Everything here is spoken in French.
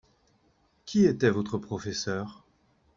Qui était votre professeur ?